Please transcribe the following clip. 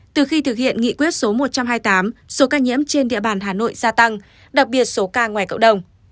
từ khi thực hiện nghị quyết số một trăm hai mươi tám số ca nhiễm trên địa bàn hà nội gia tăng đặc biệt số ca ngoài cộng đồng